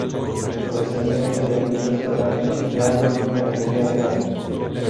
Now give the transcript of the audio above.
Recientemente vendió el restaurante y ha abierto una galería de arte.